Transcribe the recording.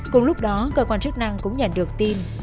cùng lúc đó cơ quan chức năng cũng nhận được tin